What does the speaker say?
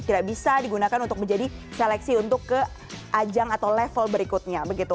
tidak bisa digunakan untuk menjadi seleksi untuk ke ajang atau level berikutnya begitu